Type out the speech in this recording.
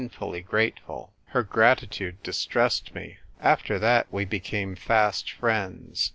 fully grateful. Her gratitude distressed me. After that we became fast friends.